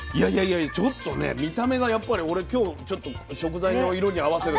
ちょっとね見た目がやっぱり俺今日ちょっと食材の色に合わせる。